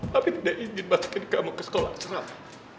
papi tidak ingin masukin kamu ke sekolah asrama